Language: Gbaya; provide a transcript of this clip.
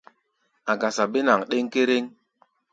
A̧ gasa bénaŋ ɗéŋkéréŋ.